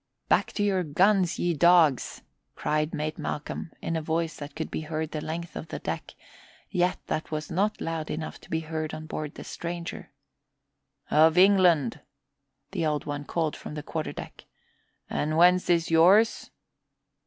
"Back to your guns, ye dogs!" cried Mate Malcolm in a voice that could be heard the length of the deck, yet that was not loud enough to be heard on board the stranger. "Of England," the Old One called from the quarter deck. "And whence is yours?"